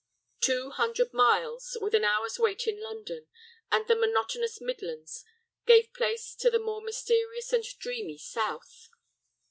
Two hundred miles, with an hour's wait in London, and the monotonous Midlands gave place to the more mysterious and dreamy south.